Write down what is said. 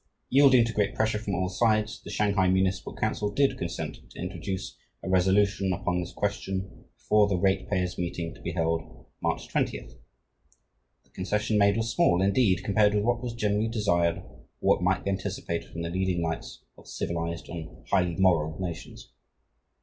Yielding to great pressure from all sides, the Shanghai Municipal Council did consent to introduce a resolution upon this question before the Ratepayers Meeting to be held March 20th, but the concession made was small indeed compared with what was generally desired or what might be anticipated from the leading lights of "civilized and highly moral" nations.